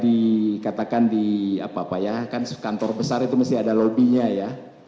dikatakan di apa pak ya kan kantor besar itu mesti ada lobbynya ya